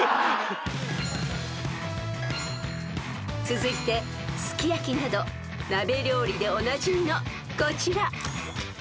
［続いてすき焼きなど鍋料理でおなじみのこちら］